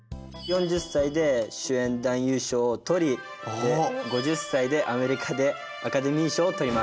４０歳で主演男優賞を取りで５０歳でアメリカでアカデミー賞を取ります。